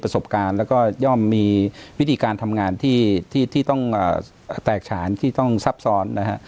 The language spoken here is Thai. สบการณ์แล้วก็ย่อมมีวิธีการทำงานที่ต้องแตกฉานที่ต้องซับซ้อนนะฮะ